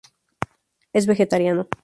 Es vegetariano.